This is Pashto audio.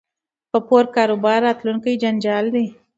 په پور کاروبار راتلونکی جنجال دی